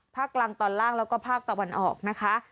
ภาคกลางตอนล่างแล้วก็ภาคตะวันออกนะคะ